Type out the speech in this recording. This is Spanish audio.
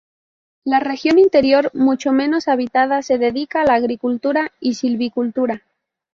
La región interior, mucho menos habitada, se dedica a la agricultura y silvicultura.